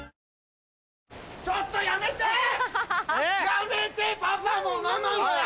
やめてパパもママもやめて！